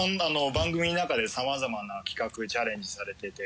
番組の中でさまざまな企画チャレンジされてて。